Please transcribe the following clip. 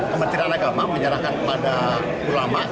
kementerian agama menyerahkan kepada ulama